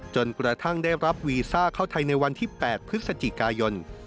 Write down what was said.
จนกระทั่งได้รับวีซ่าเข้าไทยในวันที่๘พฤศจิกายน